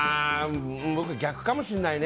僕逆かもしれないね。